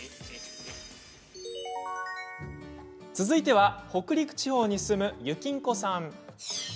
続いては、北陸地方に住むゆきんこさん。